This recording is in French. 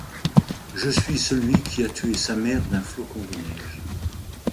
Je suis celui qui a tué sa mère d’un flocon de neige.